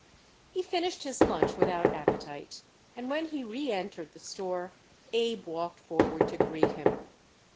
He finished his lunch without appetite, and when he reëntered the store Abe walked forward to greet him.